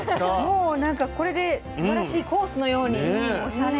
もうこれですばらしいコースのようにおしゃれ。